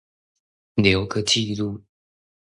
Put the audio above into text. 留個紀錄